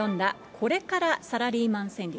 これからサラリーマン川柳。